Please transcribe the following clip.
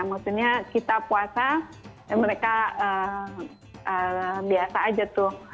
maksudnya kita puasa mereka biasa aja tuh